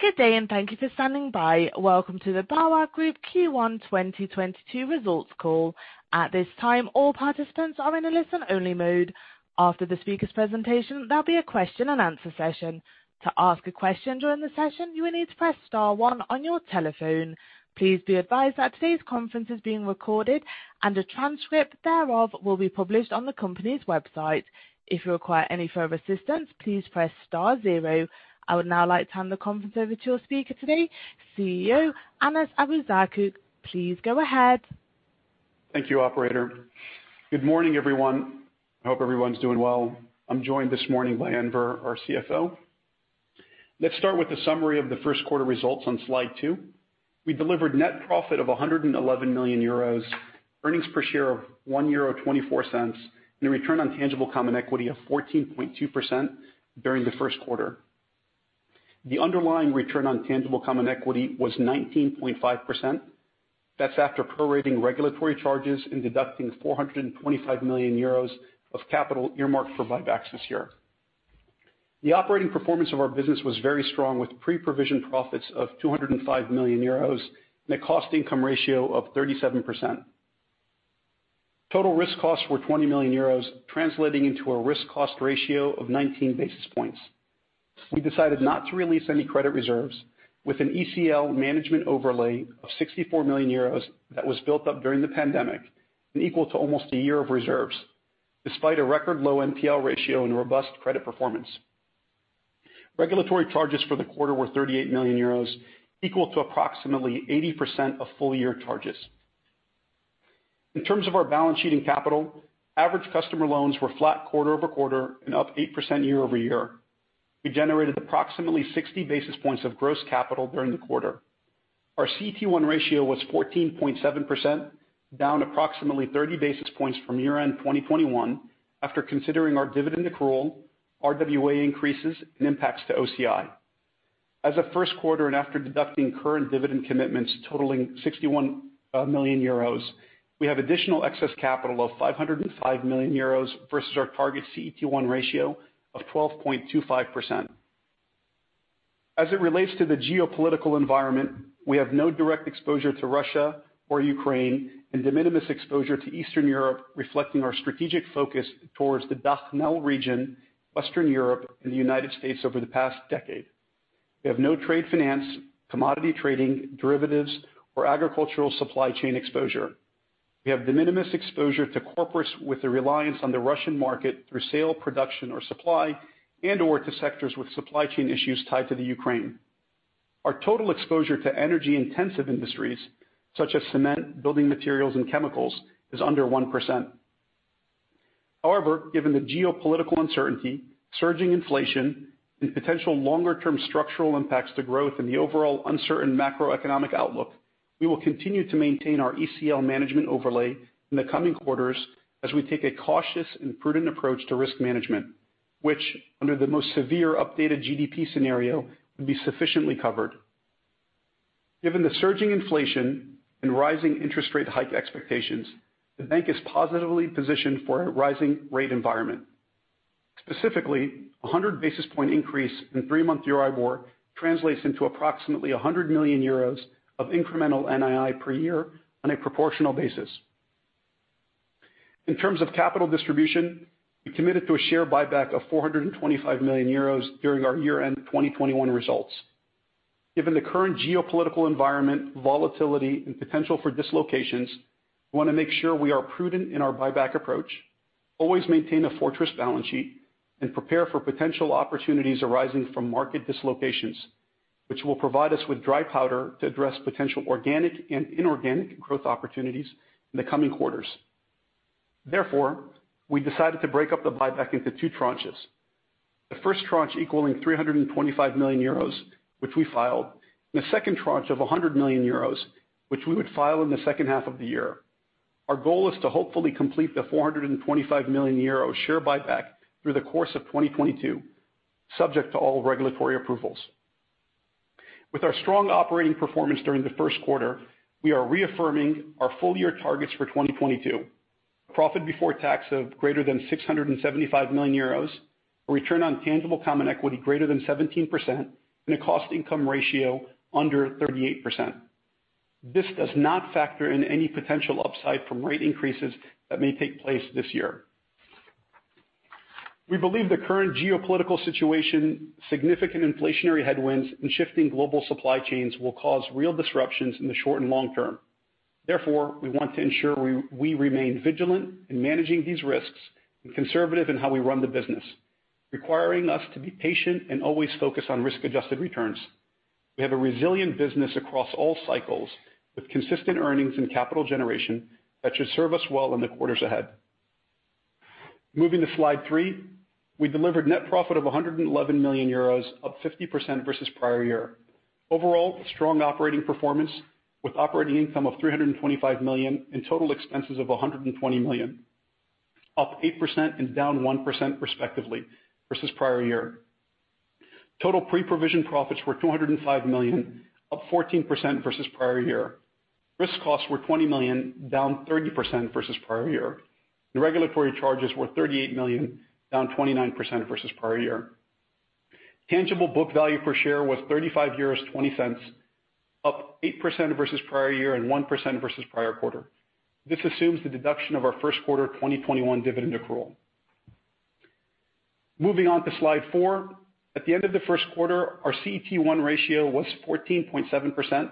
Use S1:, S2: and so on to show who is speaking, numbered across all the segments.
S1: Good day, and thank you for standing by. Welcome to the BAWAG Group Q1 2022 results call. At this time, all participants are in a listen-only mode. After the speaker's presentation, there'll be a question and answer session. To ask a question during the session, you will need to press star one on your telephone. Please be advised that today's conference is being recorded and a transcript thereof will be published on the company's website. If you require any further assistance, please press star zero. I would now like to hand the conference over to your speaker today, CEO Anas Abuzaakouk. Please go ahead.
S2: Thank you, operator. Good morning, everyone. I hope everyone's doing well. I'm joined this morning by Enver, our CFO. Let's start with a summary of the first quarter results on slide two. We delivered net profit of 111 million euros, earnings per share of 1.24 euro, and a return on tangible common equity of 14.2% during the first quarter. The underlying return on tangible common equity was 19.5%. That's after prorating regulatory charges and deducting 425 million euros of capital earmarked for buybacks this year. The operating performance of our business was very strong, with pre-provision profits of 205 million euros and a cost income ratio of 37%. Total risk costs were 20 million euros, translating into a risk cost ratio of 19 basis points. We decided not to release any credit reserves with an ECL management overlay of 64 million euros that was built up during the pandemic and equal to almost a year of reserves, despite a record low NPL ratio and robust credit performance. Regulatory charges for the quarter were 38 million euros, equal to approximately 80% of full-year charges. In terms of our balance sheet and capital, average customer loans were flat quarter-over-quarter and up 8% year-over-year. We generated approximately 60 basis points of gross capital during the quarter. Our CET1 ratio was 14.7%, down approximately 30 basis points from year-end 2021 after considering our dividend accrual, RWA increases, and impacts to OCI. As of first quarter and after deducting current dividend commitments totaling 61 million euros, we have additional excess capital of 505 million euros versus our target CET1 ratio of 12.25%. As it relates to the geopolitical environment, we have no direct exposure to Russia or Ukraine and de minimis exposure to Eastern Europe, reflecting our strategic focus towards the DACH/NL region, Western Europe, and the United States over the past decade. We have no trade finance, commodity trading, derivatives, or agricultural supply chain exposure. We have de minimis exposure to corporates with a reliance on the Russian market through sale, production, or supply and/or to sectors with supply chain issues tied to the Ukraine. Our total exposure to energy-intensive industries such as cement, building materials, and chemicals is under 1%. However, given the geopolitical uncertainty, surging inflation, and potential longer-term structural impacts to growth and the overall uncertain macroeconomic outlook, we will continue to maintain our ECL management overlay in the coming quarters as we take a cautious and prudent approach to risk management, which under the most severe updated GDP scenario would be sufficiently covered. Given the surging inflation and rising interest rate hike expectations, the bank is positively positioned for a rising rate environment. Specifically, a 100 basis points increase in three-month EURIBOR translates into approximately 100 million euros of incremental NII per year on a proportional basis. In terms of capital distribution, we committed to a share buyback of 425 million euros during our year-end 2021 results. Given the current geopolitical environment, volatility, and potential for dislocations, we wanna make sure we are prudent in our buyback approach, always maintain a fortress balance sheet, and prepare for potential opportunities arising from market dislocations, which will provide us with dry powder to address potential organic and inorganic growth opportunities in the coming quarters. Therefore, we decided to break up the buyback into two tranches. The first tranche equaling 325 million euros, which we filed, and the second tranche of 100 million euros, which we would file in the second half of the year. Our goal is to hopefully complete the 425 million euro share buyback through the course of 2022, subject to all regulatory approvals. With our strong operating performance during the first quarter, we are reaffirming our full-year targets for 2022. Profit before tax of greater than 675 million euros, a return on tangible common equity greater than 17%, and a cost income ratio under 38%. This does not factor in any potential upside from rate increases that may take place this year. We believe the current geopolitical situation, significant inflationary headwinds, and shifting global supply chains will cause real disruptions in the short and long term. Therefore, we want to ensure we remain vigilant in managing these risks and conservative in how we run the business, requiring us to be patient and always focused on risk-adjusted returns. We have a resilient business across all cycles with consistent earnings and capital generation that should serve us well in the quarters ahead. Moving to slide three. We delivered net profit of 111 million euros, up 50% versus prior year. Overall, strong operating performance with operating income of 325 million and total expenses of 120 million, up 8% and down 1% respectively versus prior year. Total pre-provision profits were 205 million, up 14% versus prior year. Risk costs were 20 million, down 30% versus prior year. The regulatory charges were 38 million, down 29% versus prior year. Tangible book value per share was 35.20 euros, up 8% versus prior year and 1% versus prior quarter. This assumes the deduction of our first quarter 2021 dividend accrual. Moving on to slide four. At the end of the first quarter, our CET1 ratio was 14.7%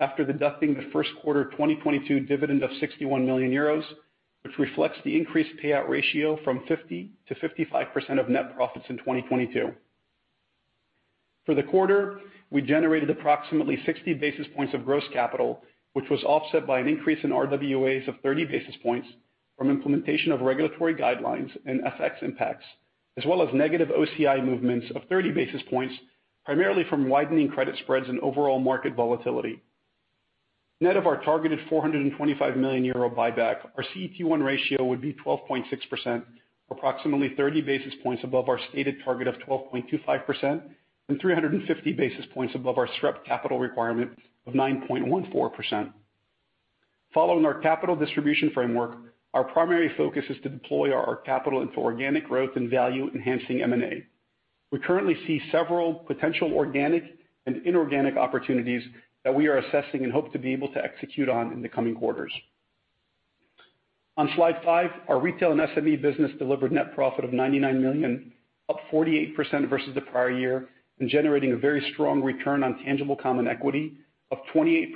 S2: after deducting the first quarter 2022 dividend of 61 million euros, which reflects the increased payout ratio from 50%-55% of net profits in 2022. For the quarter, we generated approximately 60 basis points of gross capital, which was offset by an increase in RWAs of 30 basis points from implementation of regulatory guidelines and FX impacts, as well as negative OCI movements of 30 basis points, primarily from widening credit spreads and overall market volatility. Net of our targeted 425 million euro buyback, our CET1 ratio would be 12.6%, approximately 30 basis points above our stated target of 12.25% and 350 basis points above our SREP capital requirement of 9.14%. Following our capital distribution framework, our primary focus is to deploy our capital into organic growth and value-enhancing M&A. We currently see several potential organic and inorganic opportunities that we are assessing and hope to be able to execute on in the coming quarters. On slide five, our retail and SME business delivered net profit of 99 million, up 48% versus the prior year, and generating a very strong return on tangible common equity of 28%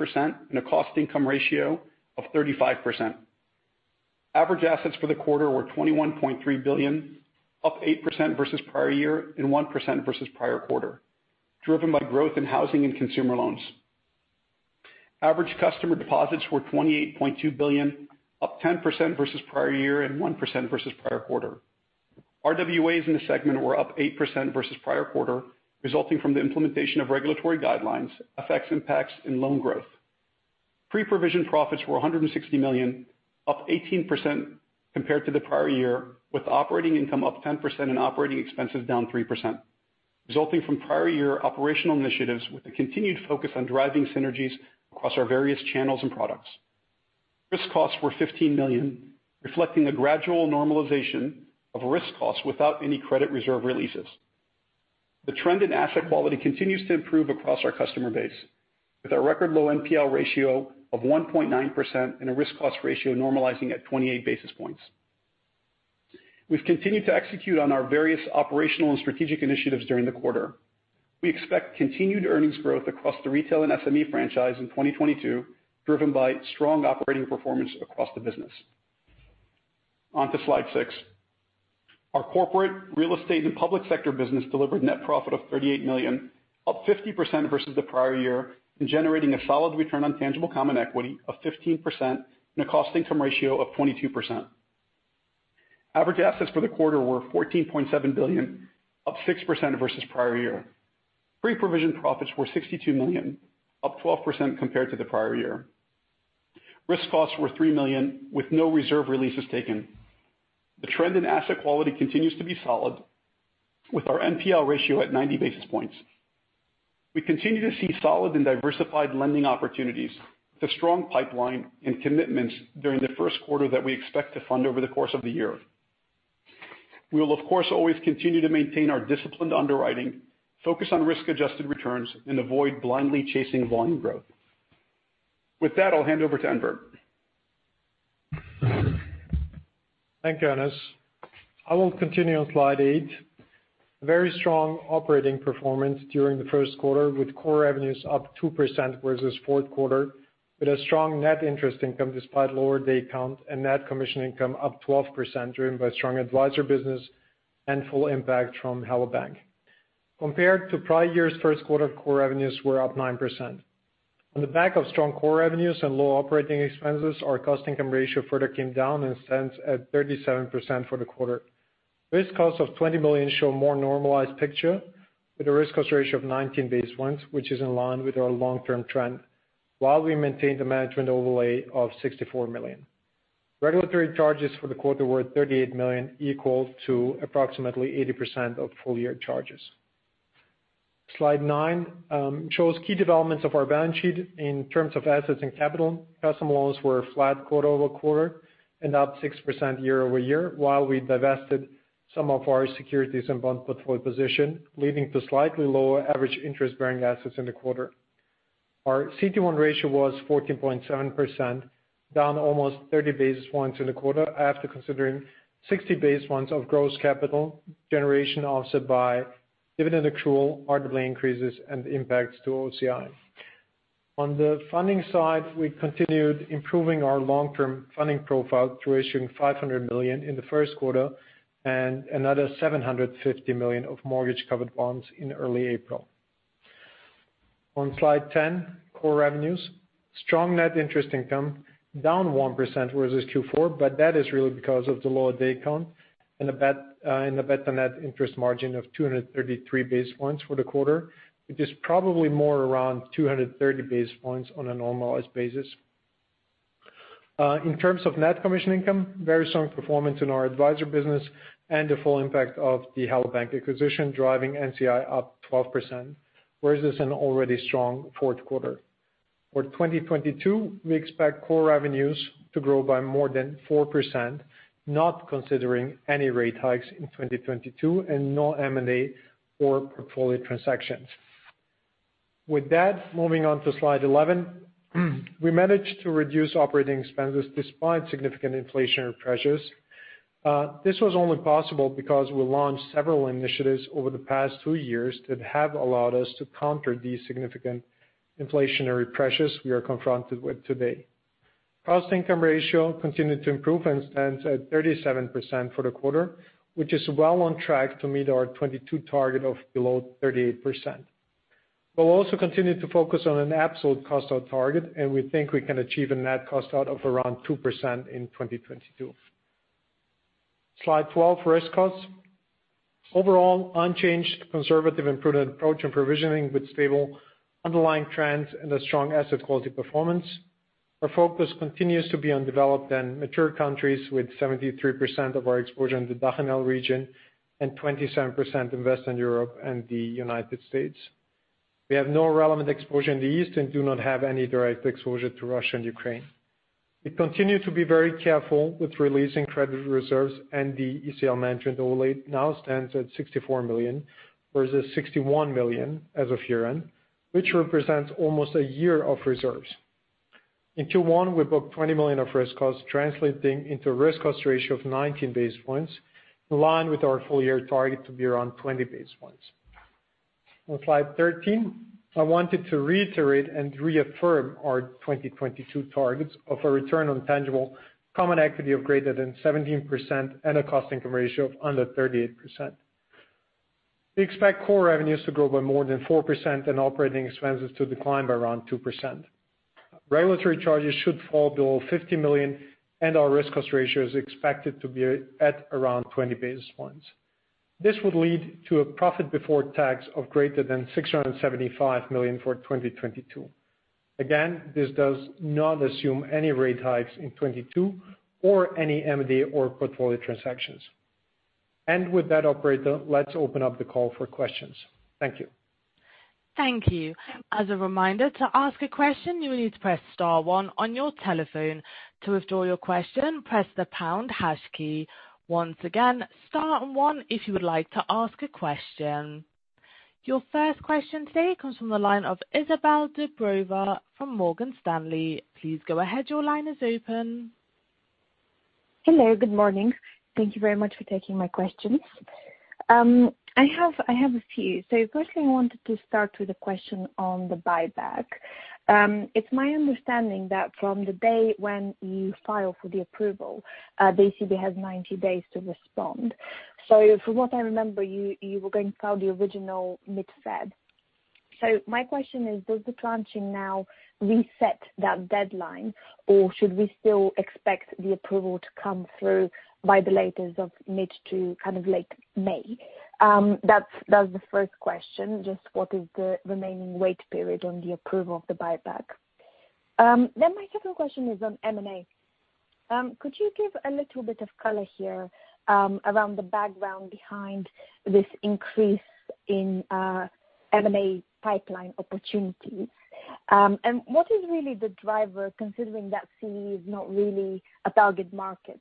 S2: and a cost-income ratio of 35%. Average assets for the quarter were 21.3 billion, up 8% versus prior year and 1% versus prior quarter, driven by growth in housing and consumer loans. Average customer deposits were 28.2 billion, up 10% versus prior year and 1% versus prior quarter. RWAs in the segment were up 8% versus prior quarter, resulting from the implementation of regulatory guidelines, FX impacts, and loan growth. Pre-provision profits were 160 million, up 18% compared to the prior year, with operating income up 10% and operating expenses down 3%, resulting from prior year operational initiatives with a continued focus on driving synergies across our various channels and products. Risk costs were 15 million, reflecting a gradual normalization of risk costs without any credit reserve releases. The trend in asset quality continues to improve across our customer base with our record low NPL ratio of 1.9% and a risk cost ratio normalizing at 28 basis points. We've continued to execute on our various operational and strategic initiatives during the quarter. We expect continued earnings growth across the retail and SME franchise in 2022, driven by strong operating performance across the business. On to slide six. Our corporate real estate and public sector business delivered net profit of 38 million, up 50% versus the prior year and generating a solid return on tangible common equity of 15% and a cost income ratio of 22%. Average assets for the quarter were 14.7 billion, up 6% versus prior year. Pre-provision profits were 62 million, up 12% compared to the prior year. Risk costs were 3 million, with no reserve releases taken. The trend in asset quality continues to be solid with our NPL ratio at 90 basis points. We continue to see solid and diversified lending opportunities with a strong pipeline and commitments during the first quarter that we expect to fund over the course of the year. We will of course always continue to maintain our disciplined underwriting, focus on risk-adjusted returns, and avoid blindly chasing volume growth. With that, I'll hand over to Enver.
S3: Thank you, Anas. I will continue on slide eight. Very strong operating performance during the first quarter, with core revenues up 2% versus fourth quarter, with a strong net interest income despite lower day count and net commission income up 12% driven by strong advisor business and full impact from Hello bank!. Compared to prior year's first quarter, core revenues were up 9%. On the back of strong core revenues and low operating expenses, our cost income ratio further came down and stands at 37% for the quarter. Risk costs of 20 million show a more normalized picture with a risk cost ratio of 19 basis points, which is in line with our long-term trend while we maintain the management overlay of 64 million. Regulatory charges for the quarter were 38 million, equal to approximately 80% of full-year charges. Slide nine shows key developments of our balance sheet in terms of assets and capital. Customer loans were flat quarter-over-quarter and up 6% year-over-year, while we divested some of our securities and bond portfolio position, leading to slightly lower average interest-bearing assets in the quarter. Our CET1 ratio was 14.7%, down almost 30 basis points in the quarter after considering 60 basis points of gross capital generation offset by dividend accrual, RWA increases, and impacts to OCI. On the funding side, we continued improving our long-term funding profile through issuing 500 million in the first quarter and another 750 million of mortgage-covered bonds in early April. On Slide 10, core revenues. Strong net interest income down 1% versus Q4, but that is really because of the lower day count and a better net interest margin of 233 basis points for the quarter, which is probably more around 230 basis points on a normalized basis. In terms of net commission income, very strong performance in our advisor business and the full impact of the Hello bank! acquisition driving NCI up 12%, whereas it's an already strong fourth quarter. For 2022, we expect core revenues to grow by more than 4%, not considering any rate hikes in 2022 and no M&A or portfolio transactions. With that, moving on to slide 11. We managed to reduce operating expenses despite significant inflationary pressures. This was only possible because we launched several initiatives over the past two years that have allowed us to counter these significant inflationary pressures we are confronted with today. Cost income ratio continued to improve and stands at 37% for the quarter, which is well on track to meet our 2022 target of below 38%. We'll also continue to focus on an absolute cost out target, and we think we can achieve a net cost out of around 2% in 2022. Slide 12, risk costs. Overall, unchanged, conservative and prudent approach and provisioning with stable underlying trends and a strong asset quality performance. Our focus continues to be on developed and mature countries with 73% of our exposure in the DACH/NL region and 27% in Western Europe and the United States. We have no relevant exposure in the East and do not have any direct exposure to Russia and Ukraine. We continue to be very careful with releasing credit reserves, and the ECL mentioned earlier now stands at 64 million, whereas it's 61 million as of year-end, which represents almost a year of reserves. In Q1, we booked 20 million of risk costs, translating into a risk cost ratio of 19 basis points, in line with our full year target to be around 20 basis points. On slide 13, I wanted to reiterate and reaffirm our 2022 targets of a return on tangible common equity of greater than 17% and a cost income ratio of under 38%. We expect core revenues to grow by more than 4% and operating expenses to decline by around 2%. Regulatory charges should fall below 50 million, and our risk cost ratio is expected to be at around 20 basis points. This would lead to a profit before tax of greater than 675 million for 2022. Again, this does not assume any rate hikes in 2022 or any M&A or portfolio transactions. With that, operator, let's open up the call for questions. Thank you.
S1: Thank you. As a reminder, to ask a question, you will need to press star one on your telephone. To withdraw your question, press the pound hash key. Once again, star one if you would like to ask a question. Your first question today comes from the line of Izabel Dobreva from Morgan Stanley. Please go ahead. Your line is open.
S4: Hello, good morning. Thank you very much for taking my questions. I have a few. Firstly, I wanted to start with a question on the buyback. It's my understanding that from the day when you file for the approval, the ECB has 90 days to respond. From what I remember, you were going to file the original mid-Feb. My question is, does the tranching now reset that deadline, or should we still expect the approval to come through by the latest of mid to kind of late May? That's the first question. Just what is the remaining wait period on the approval of the buyback? My second question is on M&A. Could you give a little bit of color here, around the background behind this increase in M&A pipeline opportunities? What is really the driver, considering that CD is not really a target market?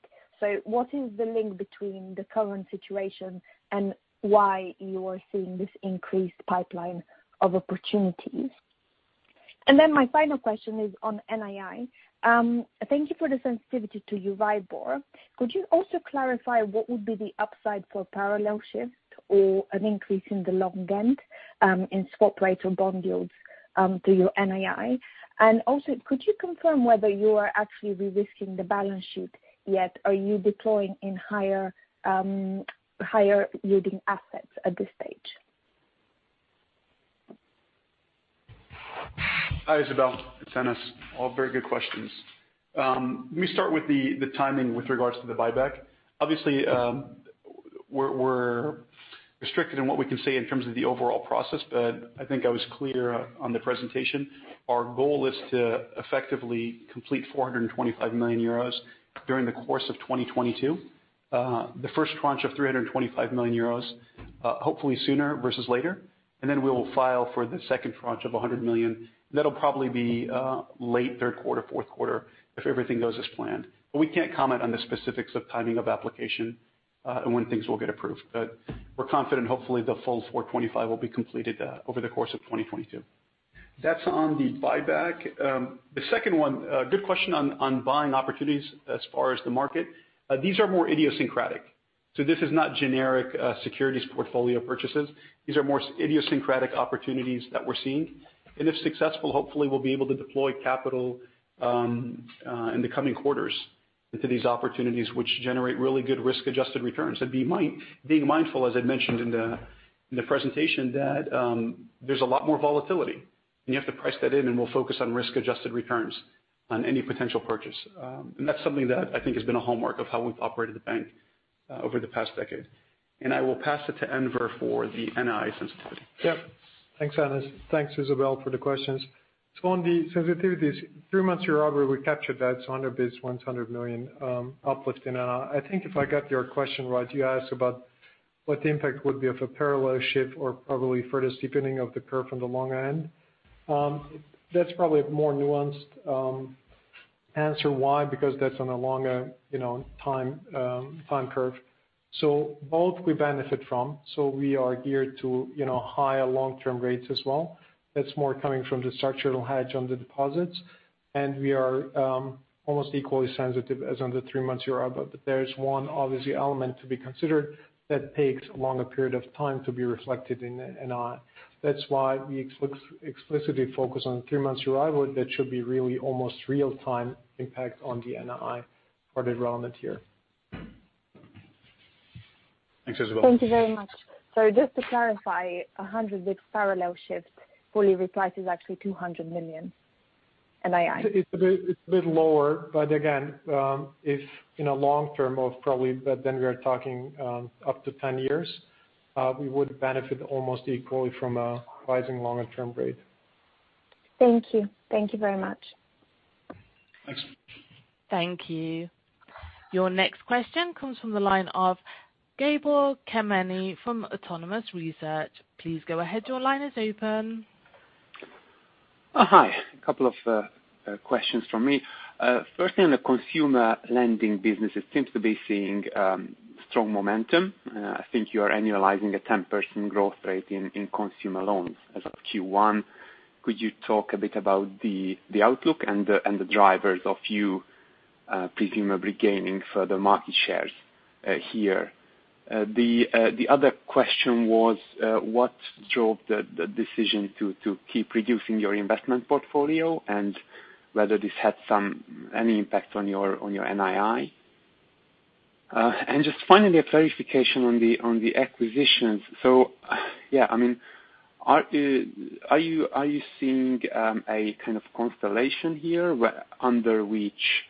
S4: What is the link between the current situation and why you are seeing this increased pipeline of opportunities? My final question is on NII. Thank you for the sensitivity to ERIBOR. Could you also clarify what would be the upside for parallel shift or an increase in the long end, in swap rates or bond yields, to your NII? Could you confirm whether you are actually re-risking the balance sheet yet? Are you deploying in higher yielding assets at this stage?
S2: Hi, Izabel, it's Anas. All very good questions. Let me start with the timing with regards to the buyback. Obviously, we're restricted in what we can say in terms of the overall process, but I think I was clear on the presentation. Our goal is to effectively complete 425 million euros during the course of 2022. The first tranche of 325 million euros, hopefully sooner versus later. Then we will file for the second tranche of 100 million. That'll probably be late third quarter, fourth quarter if everything goes as planned. We can't comment on the specifics of timing of application and when things will get approved. We're confident hopefully the full 425 million will be completed over the course of 2022. That's on the buyback. The second one, good question on buying opportunities as far as the market. These are more idiosyncratic. This is not generic securities portfolio purchases. These are more idiosyncratic opportunities that we're seeing. If successful, hopefully we'll be able to deploy capital in the coming quarters into these opportunities, which generate really good risk-adjusted returns. Being mindful, as I'd mentioned in the presentation, that there's a lot more volatility, and you have to price that in, and we'll focus on risk-adjusted returns on any potential purchase. That's something that I think has been a hallmark of how we've operated the bank. Over the past decade. I will pass it to Enver for the NII sensitivity.
S3: Yep. Thanks, Anas. Thanks, Isabelle, for the questions. On the sensitivities, three months here, Robert, we captured that 100 bps, 100 million uplift in NII. I think if I got your question right, you asked about what the impact would be if a parallel shift or probably furthest deepening of the curve from the long end. That's probably a more nuanced answer. Why? Because that's on a longer, you know, time curve. Both we benefit from, so we are geared to, you know, higher long-term rates as well. That's more coming from the structural hedge on the deposits, and we are almost equally sensitive as on the three months here. There is one obvious element to be considered that takes a longer period of time to be reflected in NII. That's why we explicitly focus on three months survival. That should be really almost real time impact on the NII for the relevant year.
S2: Thanks, Izabel.
S4: Thank you very much. Just to clarify, a 100 basis point parallel shift fully replaces actually 200 million NII.
S3: It's a bit lower. Again, if in a long term of probably, but then we are talking up to 10 years, we would benefit almost equally from a rising longer-term rate.
S4: Thank you. Thank you very much.
S3: Thanks.
S1: Thank you. Your next question comes from the line of Gabor Kemeny from Autonomous Research. Please go ahead. Your line is open.
S5: Oh, hi. A couple of questions from me. First, in the consumer lending business, it seems to be seeing strong momentum. I think you are annualizing a 10% growth rate in consumer loans as of Q1. Could you talk a bit about the outlook and the drivers of you presumably gaining further market shares here? The other question was what drove the decision to keep reducing your investment portfolio and whether this had any impact on your NII? And just finally a verification on the acquisitions. I mean, are you seeing a kind of constellation here under which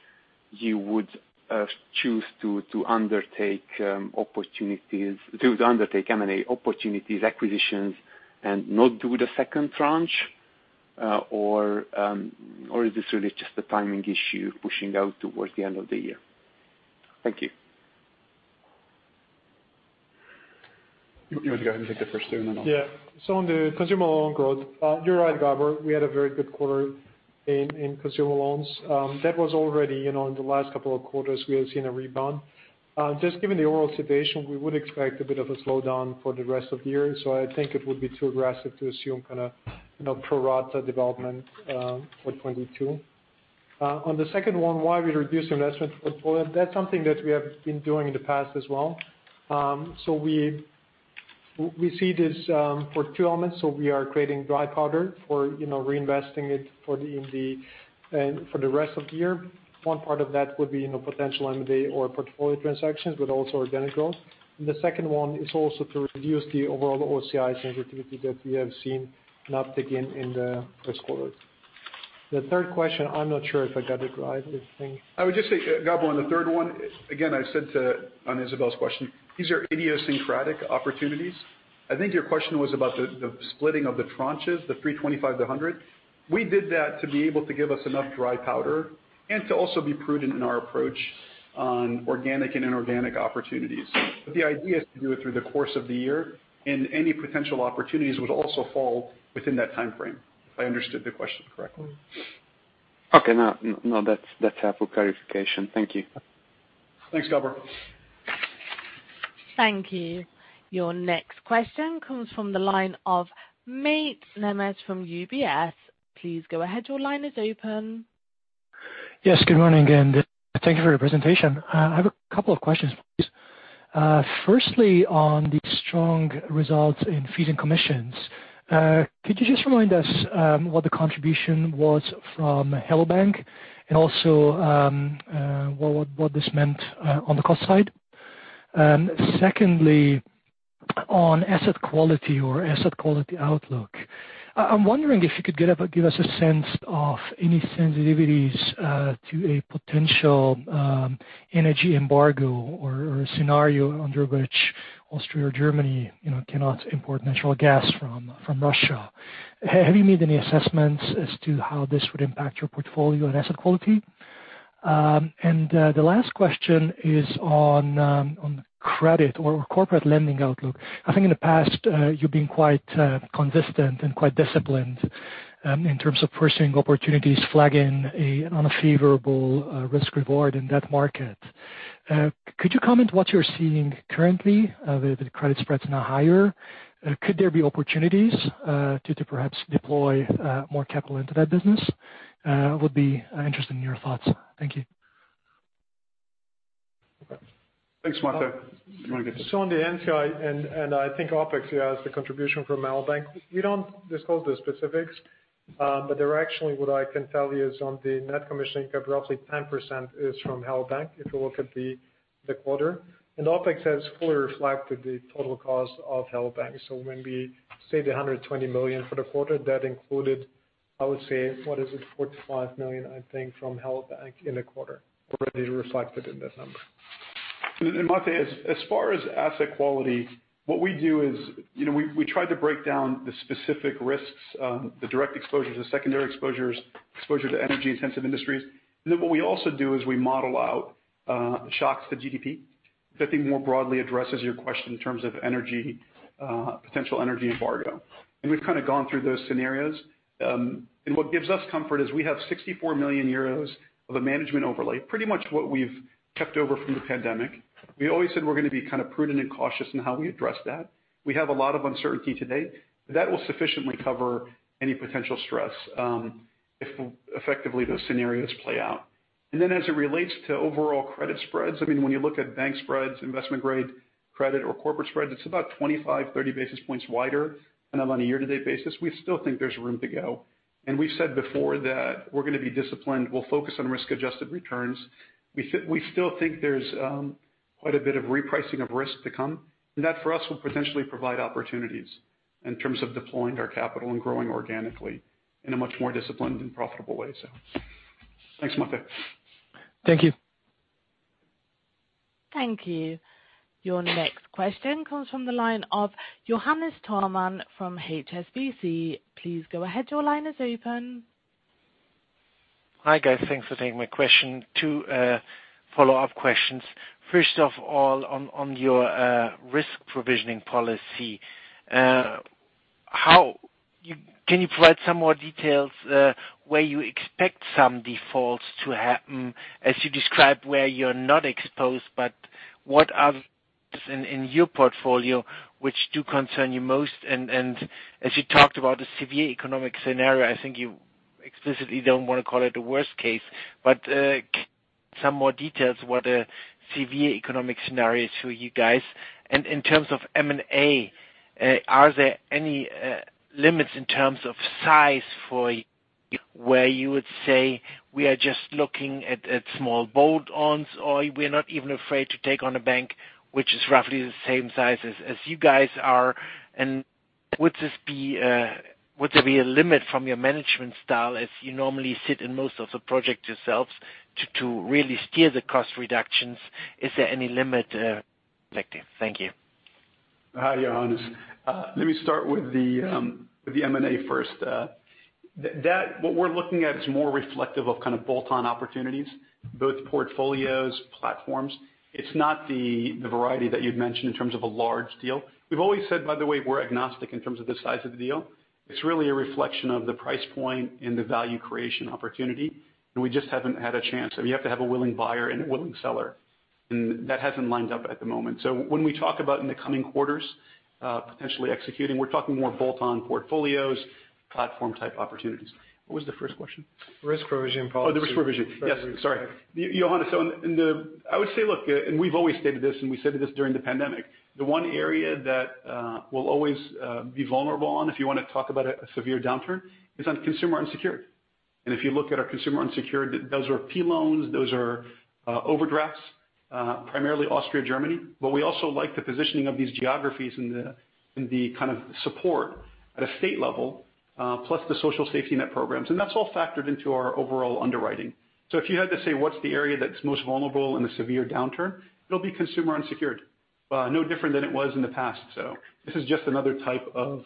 S5: you would choose to undertake M&A opportunities, acquisitions and not do the second tranche, or is this really just a timing issue pushing out towards the end of the year? Thank you.
S2: You want to go ahead and take the first two, and then I'll.
S3: On the consumer loan growth, you're right, Gabor, we had a very good quarter in consumer loans. That was already, you know, in the last couple of quarters we have seen a rebound. Just given the overall situation, we would expect a bit of a slowdown for the rest of the year. I think it would be too aggressive to assume kind of, you know, pro rata development for 2022. On the second one, why we reduce investment portfolio, that's something that we have been doing in the past as well. We see this for two elements. We are creating dry powder for, you know, reinvesting it for the rest of the year. One part of that would be, you know, potential M&A or portfolio transactions, but also organic growth. The second one is also to reduce the overall OCI sensitivity that we have seen an uptick in the first quarters. The third question, I'm not sure if I got it right, I think.
S2: I would just say, Gabor, on the third one, again, I said on Izabel's question, these are idiosyncratic opportunities. I think your question was about the splitting of the tranches, the 325-100. We did that to be able to give us enough dry powder and to also be prudent in our approach on organic and inorganic opportunities. The idea is to do it through the course of the year, and any potential opportunities would also fall within that timeframe. If I understood the question correctly.
S5: Okay. No, no, that's helpful clarification. Thank you.
S2: Thanks, Gabor.
S1: Thank you. Your next question comes from the line of Mate Nemes from UBS. Please go ahead. Your line is open.
S6: Yes, good morning again. Thank you for your presentation. I have a couple of questions, please. Firstly, on the strong results in fees and commissions, could you just remind us what the contribution was from Hello bank! and also what this meant on the cost side? Secondly, on asset quality or asset quality outlook, I'm wondering if you could give us a sense of any sensitivities to a potential energy embargo or a scenario under which Austria or Germany, you know, cannot import natural gas from Russia. Have you made any assessments as to how this would impact your portfolio and asset quality? The last question is on credit or corporate lending outlook. I think in the past, you've been quite consistent and quite disciplined in terms of pursuing opportunities, flagging an unfavorable risk reward in that market. Could you comment what you're seeing currently, the credit spreads now higher? Could there be opportunities to perhaps deploy more capital into that business? I would be interested in your thoughts. Thank you.
S2: Thanks, Mate. You want to get this?
S3: On the NCI and I think OpEx, yes, the contribution from Hello bank!. We don't disclose the specifics, but directionally what I can tell you is on the net commission income, roughly 10% is from Hello bank!, if you look at the quarter. OpEx has fully reflected the total cost of Hello bank!. When we saved 120 million for the quarter, that included. I would say, what is it? 45 million, I think, from Hello bank! in the quarter already reflected in this number.
S2: Mate, as far as asset quality, what we do is, you know, we try to break down the specific risks, the direct exposures, the secondary exposures, exposure to energy-intensive industries. What we also do is we model out shocks to GDP. If I think more broadly addresses your question in terms of energy, potential energy embargo. We've kind of gone through those scenarios. What gives us comfort is we have 64 million euros of a management overlay, pretty much what we've kept over from the pandemic. We always said we're gonna be kind of prudent and cautious in how we address that. We have a lot of uncertainty today. That will sufficiently cover any potential stress, if effectively those scenarios play out. As it relates to overall credit spreads, I mean, when you look at bank spreads, investment grade credit or corporate spreads, it's about 25-30 basis points wider than on a year-to-date basis. We still think there's room to go. We've said before that we're gonna be disciplined. We'll focus on risk-adjusted returns. We still think there's quite a bit of repricing of risk to come, and that for us will potentially provide opportunities in terms of deploying our capital and growing organically in a much more disciplined and profitable way. Thanks, Mate.
S6: Thank you.
S1: Thank you. Your next question comes from the line of Johannes Thormann from HSBC. Please go ahead. Your line is open.
S7: Hi, guys. Thanks for taking my question. Two follow-up questions. First of all, on your risk provisioning policy, can you provide some more details where you expect some defaults to happen as you describe where you're not exposed, but what are in your portfolio which do concern you most? As you talked about the severe economic scenario, I think you explicitly don't wanna call it the worst case, but some more details what a severe economic scenario is for you guys. In terms of M&A, are there any limits in terms of size for where you would say we are just looking at small bolt-ons, or we're not even afraid to take on a bank which is roughly the same size as you guys are? Would there be a limit from your management style as you normally sit in most of the project yourselves to really steer the cost reductions? Is there any limit effective? Thank you.
S2: Hi, Johannes. Let me start with the M&A first. What we're looking at is more reflective of kind of bolt-on opportunities, both portfolios, platforms. It's not the variety that you'd mentioned in terms of a large deal. We've always said, by the way, we're agnostic in terms of the size of the deal. It's really a reflection of the price point and the value creation opportunity, and we just haven't had a chance. I mean, you have to have a willing buyer and a willing seller, and that hasn't lined up at the moment. When we talk about in the coming quarters, potentially executing, we're talking more bolt-on portfolios, platform type opportunities. What was the first question?
S3: Risk provision policy.
S2: Oh, the risk provision. Yes. Sorry. Johannes, in the, I would say, look, we've always stated this, and we said this during the pandemic, the one area that we'll always be vulnerable on, if you wanna talk about a severe downturn, is on consumer unsecured. If you look at our consumer unsecured, those are P loans, those are overdrafts, primarily Austria, Germany. We also like the positioning of these geographies and the kind of support at a state level, plus the social safety net programs. That's all factored into our overall underwriting. If you had to say, what's the area that's most vulnerable in a severe downturn, it'll be consumer unsecured. No different than it was in the past. This is just another type of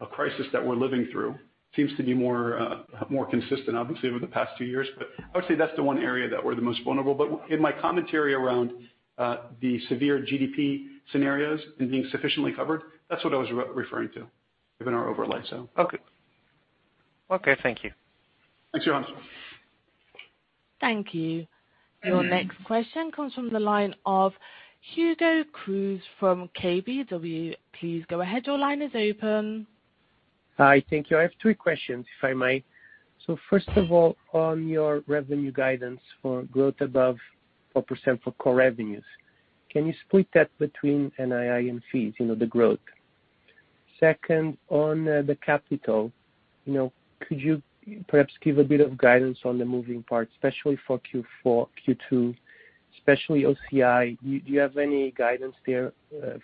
S2: a crisis that we're living through. Seems to be more consistent, obviously, over the past two years. I would say that's the one area that we're the most vulnerable. In my commentary around the severe GDP scenarios and being sufficiently covered, that's what I was referring to within our overlay.
S7: Okay. Okay, thank you.
S2: Thanks, Johannes.
S1: Thank you. Your next question comes from the line of Hugo Cruz from KBW. Please go ahead. Your line is open.
S8: Hi. Thank you. I have three questions, if I may. First of all, on your revenue guidance for growth above 4% for core revenues, can you split that between NII and fees, you know, the growth? Second, on the capital, you know, could you perhaps give a bit of guidance on the moving parts, especially for Q4, Q2, especially OCI? Do you have any guidance there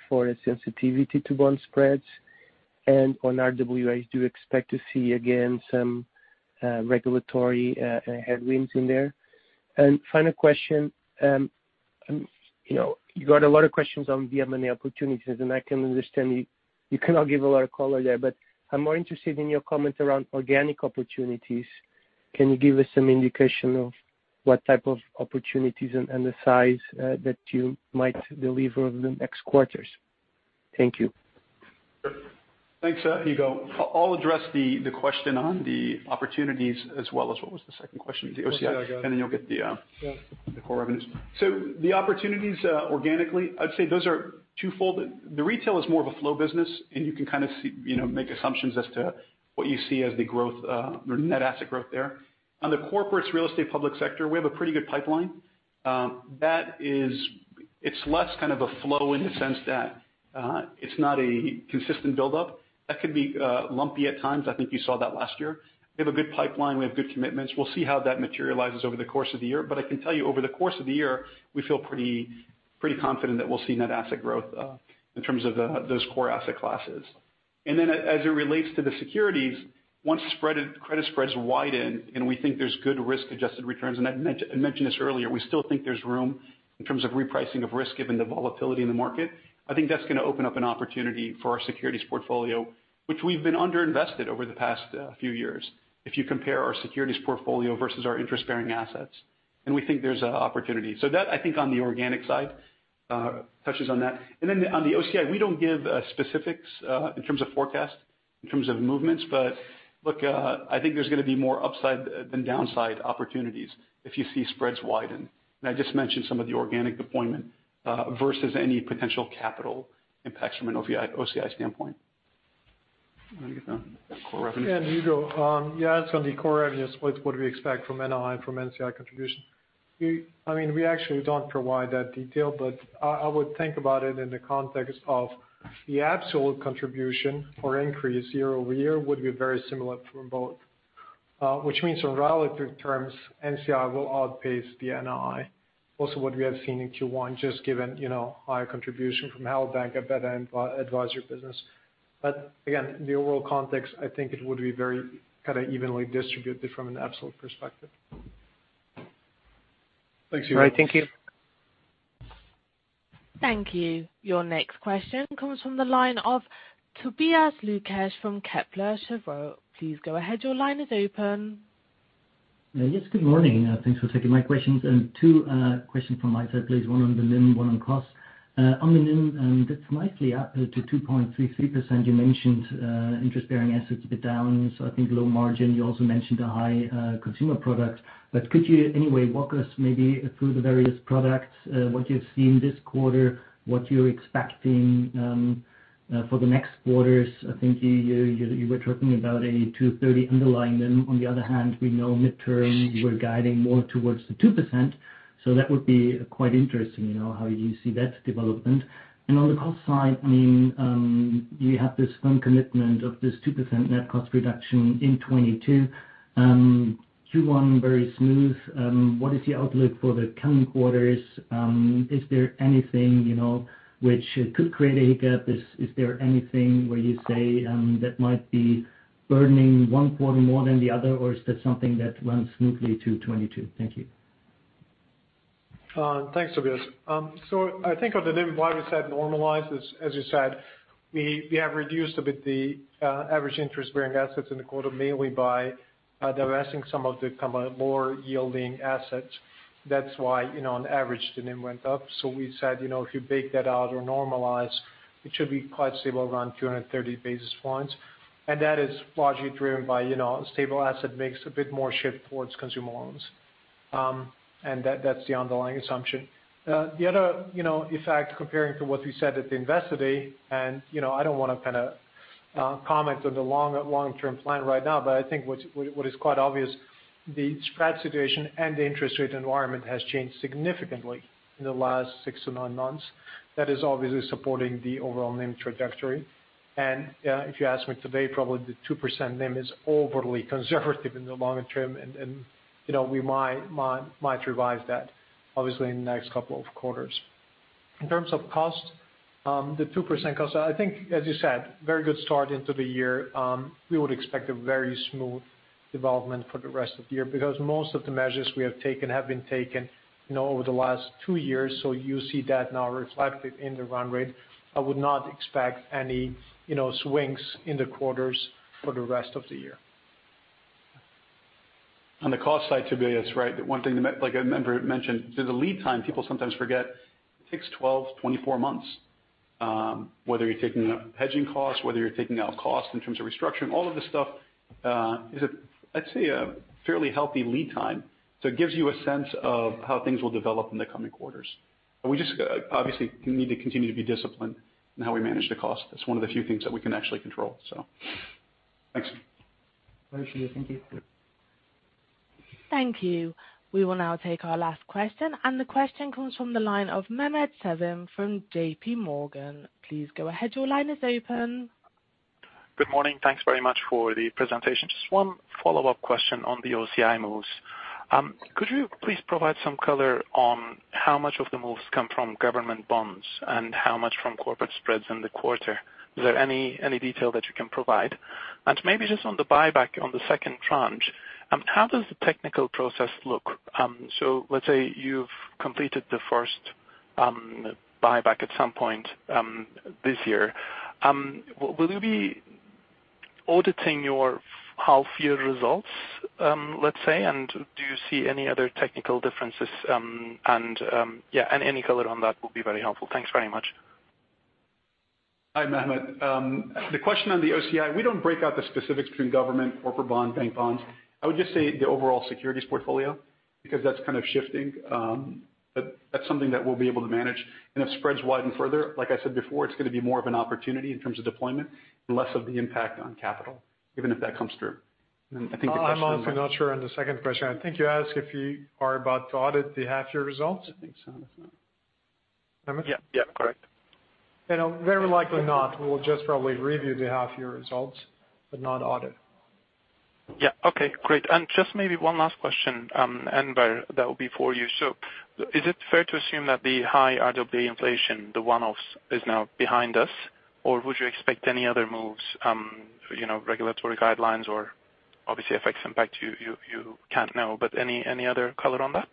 S8: for a sensitivity to bond spreads? On RWA, do you expect to see again some regulatory headwinds in there? Final question, you know, you got a lot of questions on the M&A opportunities, and I can understand you cannot give a lot of color there, but I'm more interested in your comment around organic opportunities. Can you give us some indication of what type of opportunities and the size that you might deliver in the next quarters? Thank you.
S2: Sure. Thanks, Hugo. I'll address the question on the opportunities as well as what was the second question? The OCI.
S8: OCI. Got it.
S2: You'll get the
S8: Yeah
S2: The core revenues. The opportunities, organically, I'd say those are twofold. The retail is more of a flow business, and you can kind of see, you know, make assumptions as to what you see as the growth, or net asset growth there. On the corporates, real estate, public sector, we have a pretty good pipeline. That is, it's less kind of a flow in the sense that it's not a consistent buildup. That can be lumpy at times. I think you saw that last year. We have a good pipeline. We have good commitments. We'll see how that materializes over the course of the year. I can tell you, over the course of the year, we feel pretty confident that we'll see net asset growth in terms of those core asset classes. As it relates to the securities, once credit spreads widen, and we think there's good risk-adjusted returns. I mentioned this earlier, we still think there's room in terms of repricing of risk given the volatility in the market. I think that's gonna open up an opportunity for our securities portfolio, which we've been under-invested over the past few years, if you compare our securities portfolio versus our interest-bearing assets, and we think there's an opportunity. That, I think on the organic side, touches on that. Then on the OCI, we don't give specifics in terms of forecast, in terms of movements. Look, I think there's gonna be more upside than downside opportunities if you see spreads widen. I just mentioned some of the organic deployment versus any potential capital impacts from an OCI standpoint. You wanna get the core revenue?
S3: Yeah, you go. Yeah, it's gonna be core revenue. What do we expect from NII and from NCI contribution. I mean, we actually don't provide that detail, but I would think about it in the context of the absolute contribution or increase year-over-year would be very similar for both. Which means in relative terms, NCI will outpace the NII. Also what we have seen in Q1, just given, you know, higher contribution from Hello bank!, a better advisory business. Again, the overall context, I think it would be very kinda evenly distributed from an absolute perspective.
S2: Thanks, Hugo.
S8: Right. Thank you.
S1: Thank you. Your next question comes from the line of Tobias Lukesch from Kepler Cheuvreux. Please go ahead. Your line is open.
S9: Yes. Good morning. Thanks for taking my questions. Two questions from my side, please. One on the NIM, one on costs. On the NIM, it's nicely up to 2.33%. You mentioned interest-bearing assets a bit down, so I think low margin. You also mentioned a high consumer product. Could you in any way walk us maybe through the various products, what you've seen this quarter, what you're expecting for the next quarters? I think you were talking about a 2.30 underlying NIM. On the other hand, we know mid-term you were guiding more towards the 2%, so that would be quite interesting, you know, how you see that development. On the cost side, I mean, you have this firm commitment of this 2% net cost reduction in 2022. Q1, very smooth. What is the outlook for the coming quarters? Is there anything, you know, which could create a hiccup? Is there anything where you say that might be burdening one quarter more than the other, or is that something that runs smoothly to 2022? Thank you.
S3: Thanks, Tobias. I think on the NIM, why we said normalized is, as you said, we have reduced a bit the average interest-bearing assets in the quarter, mainly by divesting some of the kind of lower-yielding assets. That's why, you know, on average, the NIM went up. We said, you know, if you bake that out or normalize, it should be quite stable around 230 basis points. That is largely driven by, you know, stable asset mix, a bit more shift towards consumer loans. That's the underlying assumption. The other, you know, effect comparing to what we said at the investor day, and, you know, I don't wanna kinda comment on the long-term plan right now, but I think what is quite obvious, the spread situation and the interest rate environment has changed significantly in the last six to nine months. That is obviously supporting the overall NIM trajectory. If you ask me today, probably the 2% NIM is overly conservative in the longer term. You know, we might revise that obviously in the next couple of quarters. In terms of cost, the 2% cost, I think, as you said, very good start into the year. We would expect a very smooth development for the rest of the year because most of the measures we have taken have been taken, you know, over the last two years. You see that now reflected in the run rate. I would not expect any, you know, swings in the quarters for the rest of the year.
S2: On the cost side, Tobias, right, the one thing that like I mentioned, the lead time people sometimes forget, it takes 12-24 months, whether you're taking a hedging cost, whether you're taking out cost in terms of restructuring, all of this stuff is, I'd say, a fairly healthy lead time. It gives you a sense of how things will develop in the coming quarters. We just, obviously need to continue to be disciplined in how we manage the cost. That's one of the few things that we can actually control. Thanks.
S9: Thank you. Thank you.
S1: Thank you. We will now take our last question, and the question comes from the line of Mehmet Sevim from J.P. Morgan. Please go ahead. Your line is open.
S10: Good morning. Thanks very much for the presentation. Just one follow-up question on the OCI moves. Could you please provide some color on how much of the moves come from government bonds and how much from corporate spreads in the quarter? Is there any detail that you can provide? Maybe just on the buyback on the second tranche, how does the technical process look? So let's say you've completed the first buyback at some point this year. Will you be auditing your half year results, let's say? Do you see any other technical differences? Yeah, any color on that will be very helpful. Thanks very much.
S2: Hi, Mehmet. The question on the OCI, we don't break out the specifics between government, corporate bonds, bank bonds. I would just say the overall securities portfolio because that's kind of shifting. That's something that we'll be able to manage. If spreads widen further, like I said before, it's gonna be more of an opportunity in terms of deployment and less of the impact on capital, even if that comes through. I think the question-
S3: I'm honestly not sure on the second question. I think you're asking if we're about to audit the half year results.
S2: I think so.
S3: Mehmet?
S9: Yeah. Yeah. Correct.
S3: You know, very likely not. We'll just probably review the half year results but not audit.
S9: Yeah. Okay, great. Just maybe one last question, Enver, that will be for you. Is it fair to assume that the high RWA inflation, the one-offs is now behind us? Or would you expect any other moves, you know, regulatory guidelines or obviously FX impact, you can't know. Any other color on that?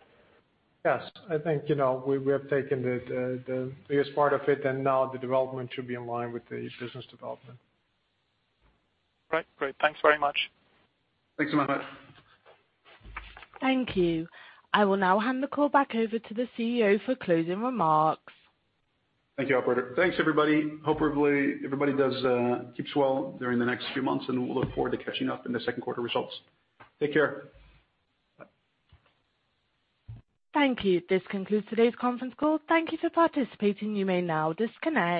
S3: Yes. I think, you know, we have taken the biggest part of it, and now the development should be in line with the business development.
S10: Right. Great. Thanks very much.
S2: Thanks, Mehmet.
S1: Thank you. I will now hand the call back over to the CEO for closing remarks.
S2: Thank you, operator. Thanks, everybody. Hopefully everybody keeps well during the next few months, and we'll look forward to catching up in the second quarter results. Take care. Bye.
S1: Thank you. This concludes today's conference call. Thank you for participating. You may now disconnect.